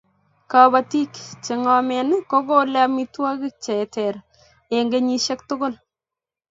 kabatik chengamen kokole amitwangik cheter eng kenyishek tugul